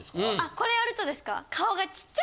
これやるとですか？